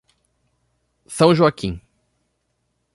São Joaquim